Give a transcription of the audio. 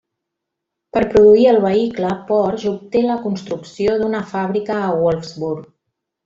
Per produir el vehicle, Porsche obté la construcció d'una fàbrica a Wolfsburg.